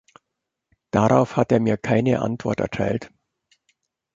Darauf hat er mir keine Antwort erteilt.